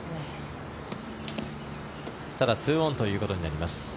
ただ２オンということになります。